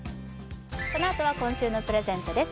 このあとは今週のプレゼントです